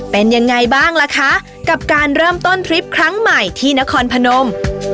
เป็นยังไงบ้างล่ะคะกับการเริ่มต้นทริปครั้งใหม่ที่นครพนม